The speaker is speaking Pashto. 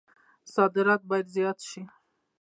صادرات باید زیات شي